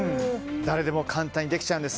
誰でも簡単にできちゃうんです。